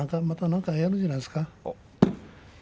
また何かやるんじゃないですか。